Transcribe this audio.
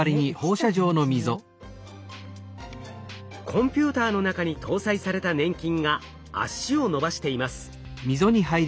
コンピューターの中に搭載された粘菌が「足」を伸ばしています。